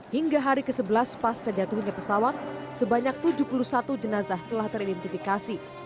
hingga hari ke sebelas pas terjatuhnya pesawat sebanyak tujuh puluh satu jenazah telah teridentifikasi